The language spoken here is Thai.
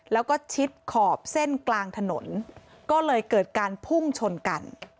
แล้วก็ชิดขอบเส้นกลางถนนก็เลยเกิดการพุ่งชนกัน